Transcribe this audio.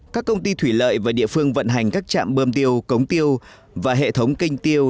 các công ty thủy lợi và địa phương vận hành các trạm bơm tiêu cống tiêu và hệ thống canh tiêu